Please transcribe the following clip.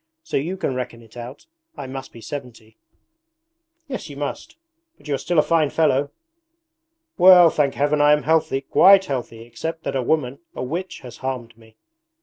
So you can reckon it out. I must be seventy.' 'Yes you must, but you are still a fine fellow.' 'Well, thank Heaven I am healthy, quite healthy, except that a woman, a witch, has harmed me....'